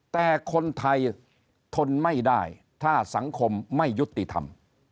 แต่คนไทยทนไม่ได้ถ้าสังคมไม่ยุติธรรม